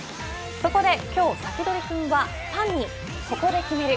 そこで今日サキドリくんはファンにここで、決める。